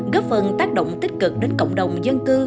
góp phần tác động tích cực đến cộng đồng dân cư